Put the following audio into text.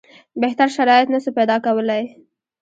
بهتر شرایط نه سو پیدا کولای.